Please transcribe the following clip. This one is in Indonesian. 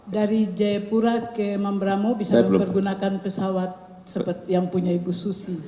dari jayapura ke mambramo bisa mempergunakan pesawat yang punya ibu susi